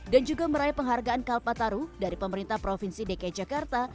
dan juga meraih penghargaan kalpataru dari pemerintah provinsi dki jakarta